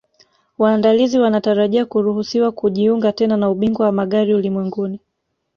Waandalizi wanatarajia kuruhusiwa kujiunga tena na Ubingwa wa Magari Ulimwenguni